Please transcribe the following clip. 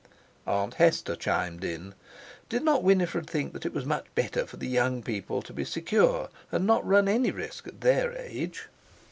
Aunt Hester chimed in: Did not Winifred think that it was much better for the young people to be secure and not run any risk at their age?